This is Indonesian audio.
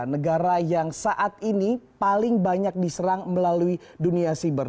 negara yang saat ini paling banyak diserang melalui dunia siber